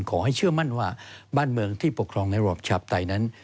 ขอให้เชื่อมั่นว่าบ้านเมืองที่ปกครองในรอบชาปไตยนั้น